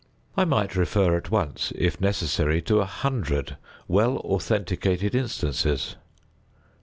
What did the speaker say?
I might refer at once, if necessary, to a hundred well authenticated instances.